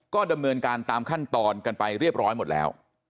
ก็ดำเนินการตามขั้นตอนกันไปเรียบร้อยหมดแล้ว